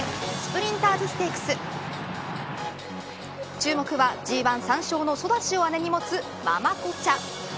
注目はＧ１、３勝のソダシを姉に持つママコチャ。